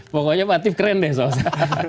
pokoknya pak atief keren deh soalnya